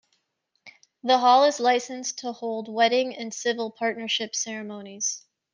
The Hall is licensed to hold wedding and civil partnership ceremonies.